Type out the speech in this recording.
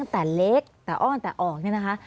ตั้งแต่เล็กแต่อ้อนแต่ออกเนี่ยนะคะ